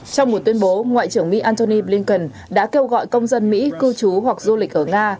trong một tuyên bố ngoại trưởng mỹ antony blinken đã kêu gọi công dân mỹ cư trú hoặc du lịch ở nga